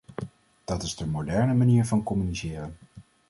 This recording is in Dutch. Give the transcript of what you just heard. Dat is de moderne manier van communiceren.